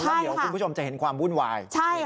แล้วเดี๋ยวคุณผู้ชมจะเห็นความวุ่นวาย